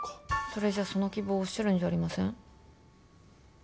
それじゃその希望をおっしゃるんじゃありません？